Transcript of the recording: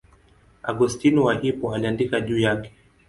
Augustino wa Hippo aliandika juu yake.